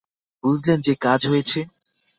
বুঝলে যে কাজ হয়েছে।